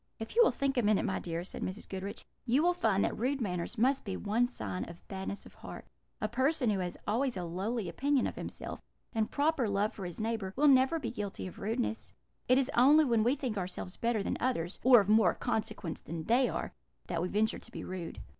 "If you will think a minute, my dear," said Mrs. Goodriche, "you will find that rude manners must be one sign of badness of heart: a person who has always a lowly opinion of himself, and proper love for his neighbour, will never be guilty of rudeness; it is only when we think ourselves better than others, or of more consequence than they are, that we venture to be rude.